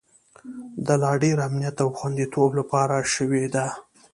د لا ډیر امنیت او خوندیتوب لپاره شوې ده